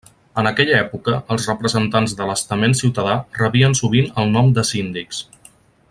En aquella època els representants de l'estament ciutadà rebien sovint el nom de síndics.